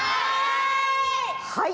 はい！